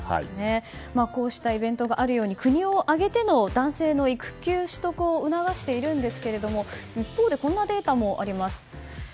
こうしたイベントがあるように国を挙げての男性の育休取得を促しているんですが一方でこんなデータもあります。